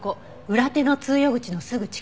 裏手の通用口のすぐ近くね。